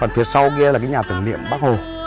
phía sau kia là cái nhà tưởng niệm bắc hồ